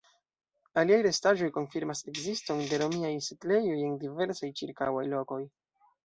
Aliaj restaĵoj konfirmas ekziston de romiaj setlejoj en diversaj ĉirkaŭaj lokoj.